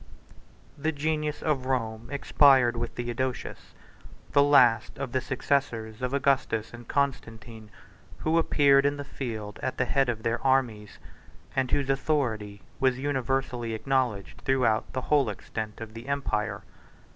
The genius of Rome expired with Theodosius; the last of the successors of Augustus and Constantine, who appeared in the field at the head of their armies, and whose authority was universally acknowledged throughout the whole extent of the empire.